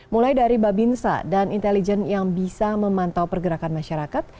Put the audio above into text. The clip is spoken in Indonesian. mulai dari babinsa dan intelijen yang bisa memantau pergerakan masyarakat